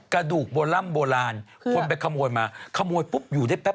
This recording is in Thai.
กระดูกโบร่ำโบราณคนไปขโมยมาขโมยปุ๊บอยู่ได้แป๊